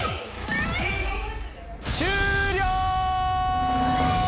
終了！